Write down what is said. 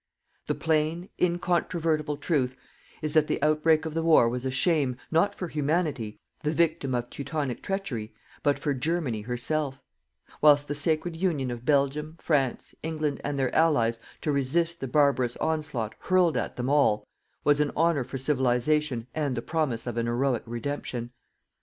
The plain, incontrovertible, truth is that the outbreak of the war was a shame, not for Humanity, the victim of Teutonic treachery, but for Germany herself; whilst the sacred union of Belgium, France, England and their allies to resist the barbarous onslaught hurled at them all, was an honour for Civilization and the promise of an heroic redemption.